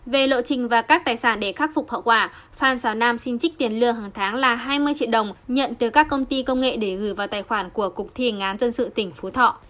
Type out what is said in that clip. về lộ trình và các tài sản để khắc phục hậu quả phan xào nam xin trích tiền lừa hàng tháng là hai mươi triệu đồng nhận từ các công ty công nghệ để gửi vào tài khoản của cục thi hành án dân sự tỉnh phú thọ